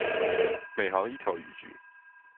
每行一条语句